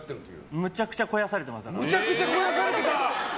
むちゃくちゃ肥やされてた！